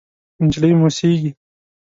نجلۍ موسېږي…